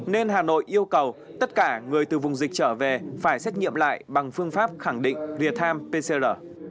nên hà nội yêu cầu tất cả người từ vùng dịch trở về phải xét nghiệm lại bằng phương pháp khẳng định retam pcr